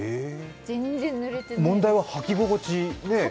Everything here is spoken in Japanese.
問題ははき心地。